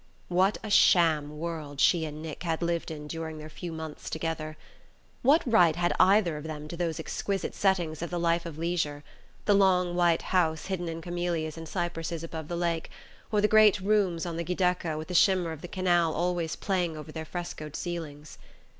What a sham world she and Nick had lived in during their few months together! What right had either of them to those exquisite settings of the life of leisure: the long white house hidden in camellias and cypresses above the lake, or the great rooms on the Giudecca with the shimmer of the canal always playing over their frescoed ceilings!